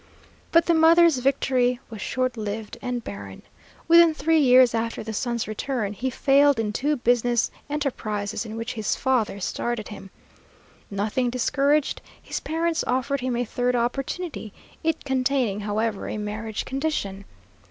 But the mother's victory was short lived and barren. Within three years after the son's return, he failed in two business enterprises in which his father started him. Nothing discouraged, his parents offered him a third opportunity, it containing, however, a marriage condition.